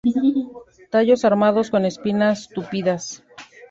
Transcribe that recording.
Tallos armados con espinas tupidas.